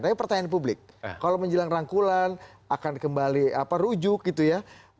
tapi pertanyaan publik kalau menjelang rangkulan akan kembali rujuk gitu ya